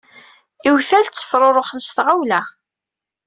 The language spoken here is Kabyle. Iwtal ttefruruxen s tɣawla.